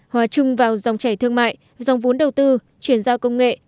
hòa chung vào dòng chảy thương mại dòng vốn đầu tư chuyển giao công nghệ